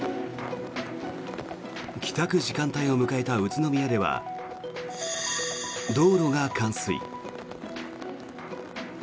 帰宅時間帯を迎えた宇都宮では道路が冠水。